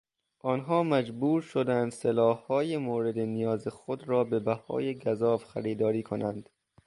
آنها مجبور شدند سلاحهای مورد نیاز خود را به بهای گزاف خریداری کنند.